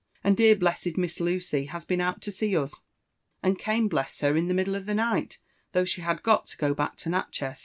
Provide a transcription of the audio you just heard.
And dear blessed Miss Lucy has been out to see us, and came, bless her, in the middle of the night, though she had got to go back to Natchez.